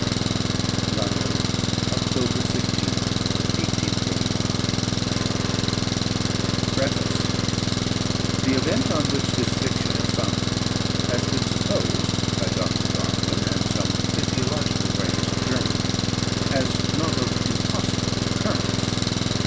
W. S. London, October 15, 1831. PREFACE. The event on which this fiction is founded, has been supposed, by Dr. Darwin, and some of the physiological writers of Germany, as not of impossible occurrence.